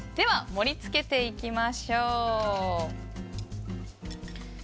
盛り付けていきましょう。